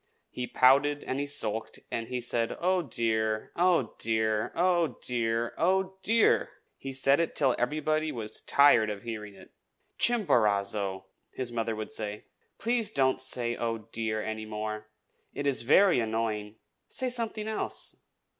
He pouted, and he sulked, and he said, "Oh, dear! oh, dear! oh, dear! oh, dear!" He said it till everybody was tired of hearing it. "Chimborazo," his mother would say, "please don't say, 'Oh, dear!' any more. It is very annoying. Say something else."